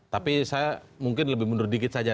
tapi saya mungkin lebih mundur dikit saja